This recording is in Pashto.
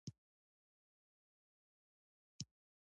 د برېټانیا ټاپوګان د روم امپراتورۍ په څنډو کې پراته وو